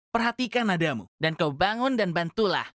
perhatikan nadamu dan kau bangun dan bantulah